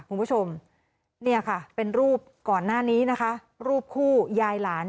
คุณผู้ชมเนี่ยค่ะเป็นรูปก่อนหน้านี้นะคะรูปคู่ยายหลาน